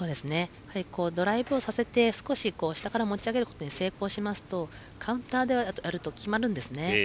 ドライブをさせて少し下から持ち上げることに成功しますとカウンターであると決まるんです。